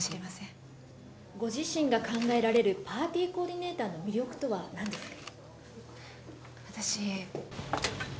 ご自身が考えられるパーティーコーディネーターの魅力とはなんですか？